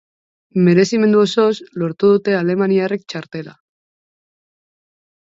Merezimendu osoz lortu dute alemaniarrek txartela.